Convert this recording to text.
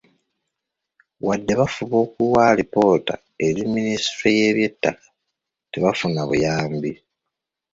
Wadde bafuba okuwa alipoota eri minisitule y'Ebyettaka, tebafuna buyambi.